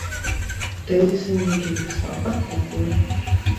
Тэзісы нейкія пісаў, артыкулы.